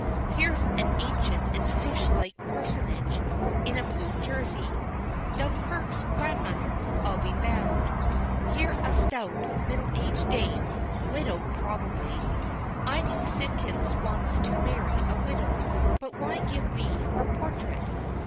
Here's an ancient and fish like personage in a blue jersey. Dumerque's grandmother, I'll be bound. Here a stout, middle aged dame, widow probably. I know Simpkins wants to marry a widow, but why give me her portrait?